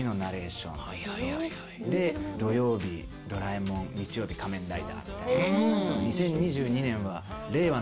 で土曜日『ドラえもん』日曜日『仮面ライダー』みたいな。